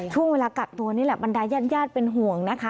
ช่วงเวลากักตัวนี่แหละบรรดายญาติญาติเป็นห่วงนะคะ